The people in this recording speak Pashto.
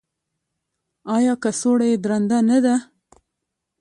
ایا کڅوړه یې درنده نه ده؟